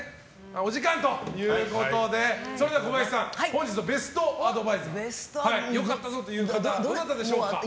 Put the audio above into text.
お時間ということで小林さん本日のベストアドバイザー良かったぞという方はどなたでしょうか？